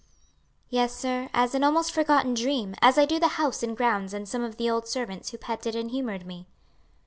"Yes, sir, as an almost forgotten dream, as I do the house and grounds and some of the old servants who petted and humored me."